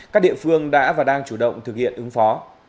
các địa phương đã và đang chủ động thực hiện ứng phó